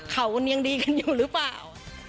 เขามันยังดีกันอยู่หรือเปล่า